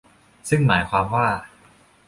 ซึ่งหมายความว่า